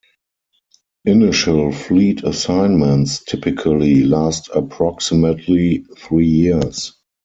Initial fleet assignments typically last approximately three years.